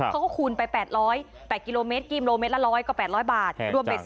เขาก็คูณไป๘๐๐๘กิโลเมตรกิโลเมตรละ๑๐๐ก็๘๐๐บาทแพงจัง